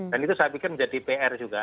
dan itu saya pikir menjadi pr juga